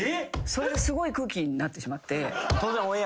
それですごい空気になってしまって。